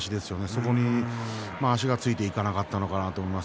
そこに足がついていかなかったのかなと思います。